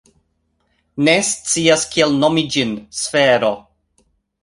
Ne scias kiel nomi ĝin. Sfero.